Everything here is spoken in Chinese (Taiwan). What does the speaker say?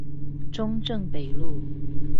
中正北路